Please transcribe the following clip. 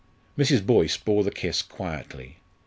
Mrs. Boyce bore the kiss quietly.